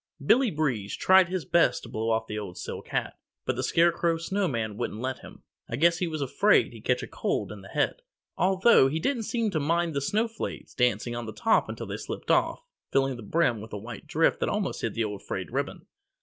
Billy Breeze tried his best to blow off the old silk hat, but the Scarecrow Snowman wouldn't let him. I guess he was afraid he'd catch a cold in the head, although he didn't seem to mind the snowflakes dancing on the top until they slipped off, filling the brim with a white drift that almost hid the old frayed ribbon.